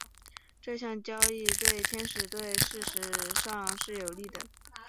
这项交易对天使队事实上是有利的。